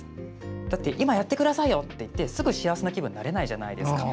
だって、今やってくださいよと言ってすぐ幸せな気分になれないじゃないですか。